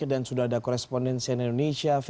dan sudah ada korespondensi dari indonesia